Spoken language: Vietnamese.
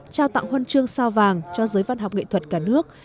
trao tặng huân chương sao vàng cho giới văn học nghệ thuật cả nước